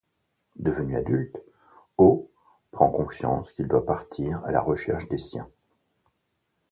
Devenu adulte, Oh prend conscience qu'il doit partir à la recherche des siens.